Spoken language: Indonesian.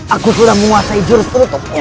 aku sudah menguasai jurus keutup